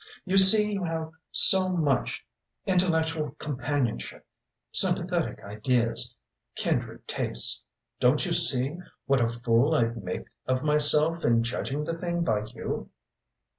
You see you have so much intellectual companionship sympathetic ideas kindred tastes don't you see what a fool I'd make of myself in judging the thing by you?"